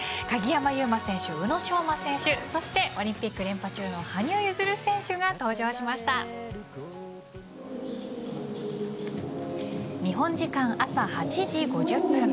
鍵山優真選手、宇野昌磨選手そしてオリンピック連覇中の羽生結弦選手が日本時間朝８時５０分